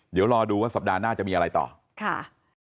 เดี๋ยวรอดูว่าสัปดาห์หน้าจะมีอะไรต่อค่ะ